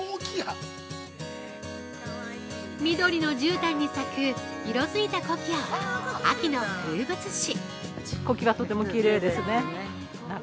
緑のじゅうたんに咲く色づいたコキアは、秋の風物詩。